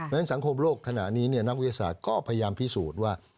ฉะสังคมโลกขณะนี้นักวิทยาศาสตร์ก็พยายามพิสูจน์ว่า